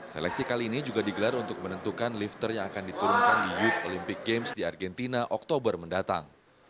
seleksi kali ini juga digelar untuk menentukan lifter yang akan diturunkan di youth olympic games di argentina oktober mendatang